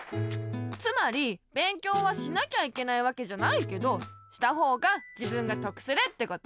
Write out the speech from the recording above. つまり勉強はしなきゃいけないわけじゃないけどしたほうが自分がとくするってこと。